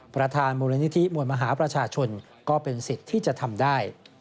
ประธานมูลนิธิมวลมหาประชาชนก็เป็นสิทธิ์ที่จะทำได้